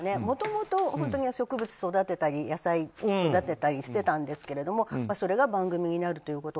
もともと本当に植物を育てたり野菜を育てたりしていたんですがそれが番組になるという。